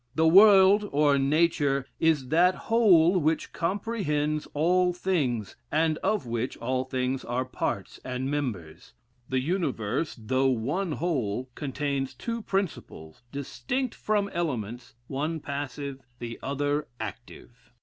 The world, or nature, is that whole which comprehends all things, and of which all thing are parts and members. The universe, though one whole, contains two principles, distinct from elements, one passive, the other active.